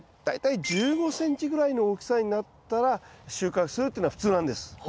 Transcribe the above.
大体１５ｃｍぐらいの大きさになったら収穫するっていうのが普通なんです。